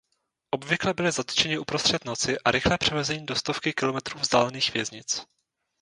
Obvykle byli zatčeni uprostřed noci a rychle převezeni do stovky kilometrů vzdálených věznic.